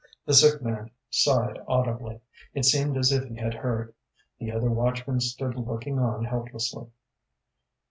The sick man sighed audibly. It seemed as if he had heard. The other watchmen stood looking on helplessly.